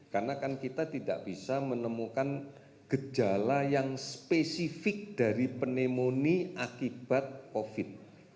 karena kan kita tidak bisa menemukan gejala yang spesifik dari penemoni akibat covid